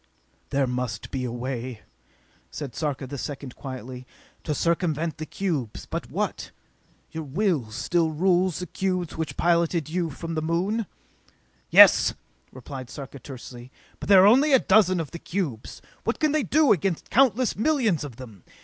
"There must be a way," said Sarka the Second quietly, "to circumvent the cubes! But what? Your will still rules the cubes which piloted you from the Moon?" "Yes," replied Sarka tersely, "but there are only a dozen of the cubes. What can they do against countless millions of them?